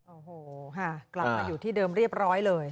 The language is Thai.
โอ้โหค่ะกลับมาอยู่ที่เดิมเรียบร้อยเลย